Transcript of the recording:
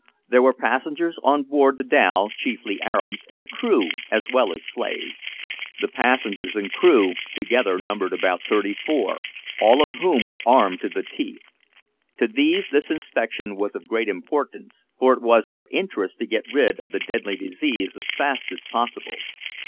There were passengers on board the dhow, chiefly Arabs, and a crew, as well as slaves. The passengers and crew together numbered about thirty four, all of whom were armed to the teeth. To these this inspection was of great importance, for it was their interest to get rid of the deadly disease as fast as possible.